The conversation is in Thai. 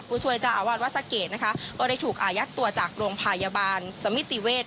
ผู้ช่วยเจ้าอาวาสวัดสะเกดนะคะก็ได้ถูกอายัดตัวจากโรงพยาบาลสมิติเวศ